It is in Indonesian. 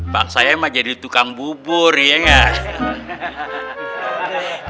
paksa ya emang jadi tukang bubur iya nggak